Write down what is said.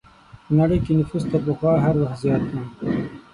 په نړۍ کې نفوس تر پخوا هر وخت زیات دی.